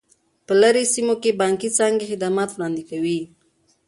په لیرې سیمو کې بانکي څانګې خدمات وړاندې کوي.